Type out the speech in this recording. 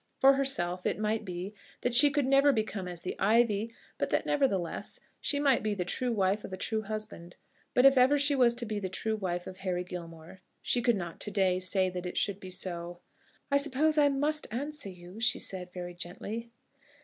For herself, it might be, that she could never become as the ivy; but that, nevertheless, she might be the true wife of a true husband. But if ever she was to be the true wife of Harry Gilmore, she could not to day say that it should be so. "I suppose I must answer you," she said, very gently.